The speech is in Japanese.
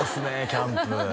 キャンプ